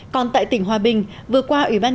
còn tại tỉnh hòa bình vừa qua